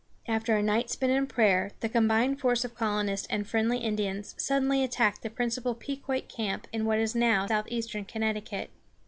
After a night spent in prayer, the combined force of colonists and friendly Indians suddenly attacked the principal Pequot camp in what is now southeastern Connecticut.